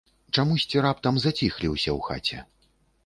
Чамусьці раптам заціхлі ўсе ў хаце.